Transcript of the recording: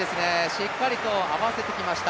しっかりと合わせてきました。